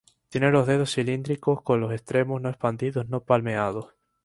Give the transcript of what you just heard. Tiene los dedos cilíndricos, con los extremos no expandidos no palmeados.